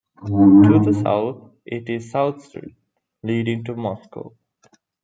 To the south it is South Street, leading to Moscow.